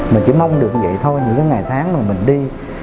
mình chỉ mong được như vậy thôi những cái ngày tháng mà mình đi